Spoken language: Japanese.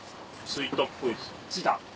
着いた。